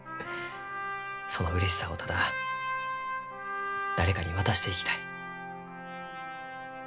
そのうれしさをただ誰かに渡していきたい。